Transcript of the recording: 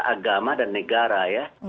agama dan negara ya